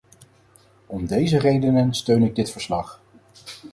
Om deze redenen steun ik dit verslag.